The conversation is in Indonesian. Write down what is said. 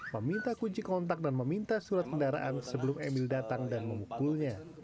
meminta kunci kontak dan meminta surat kendaraan sebelum emil datang dan memukulnya